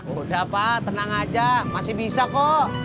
udah pak tenang aja masih bisa kok